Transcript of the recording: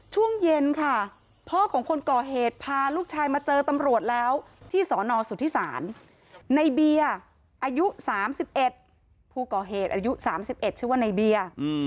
ช่วงเย็นค่ะพ่อของคนก่อเหตุพาลูกชายมาเจอตำรวจแล้วที่สนสุธิศาลในเบียร์อายุ๓๑ผู้ก่อเหตุอายุ๓๑ชื่อว่าในเบียร์